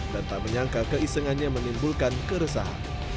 dan tak menyangka keisenganya menimbulkan keresahan